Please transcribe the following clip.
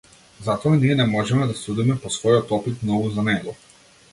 Затоа ние не можеме да судиме по својот опит многу за него.